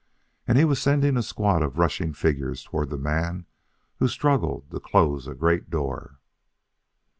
And he was sending a squad of rushing figures toward the man who struggled to close a great door.